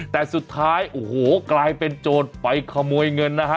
แต่สุดท้ายโอ้โหกลายเป็นโจรไปขโมยเงินนะฮะ